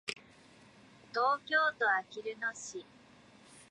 東京都あきる野市